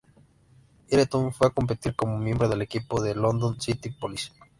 Ireton fue a competir como miembro del equipo de London City Police.